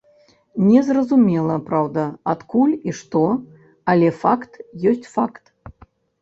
Не зразумела, праўда, адкуль і што, але факт ёсць факт.